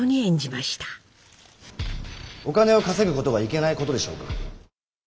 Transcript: お金を稼ぐことがいけないことでしょうか。